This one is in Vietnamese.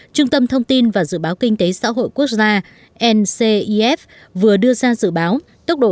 trung tâm thông tin và dự báo kinh tế xã hội quốc gia ncif vừa đưa ra dự báo tăng trưởng cao hơn